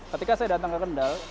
ketika saya datang ke kendal